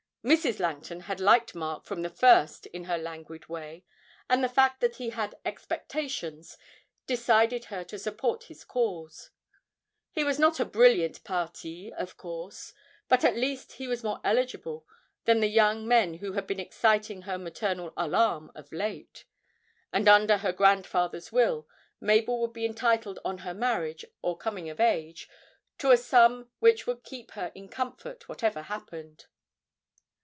Mrs. Langton had liked Mark from the first in her languid way, and the fact that he had 'expectations' decided her to support his cause; he was not a brilliant parti, of course, but at least he was more eligible than the young men who had been exciting her maternal alarm of late. And under her grandfather's will Mabel would be entitled on her marriage or coming of age to a sum which would keep her in comfort whatever happened.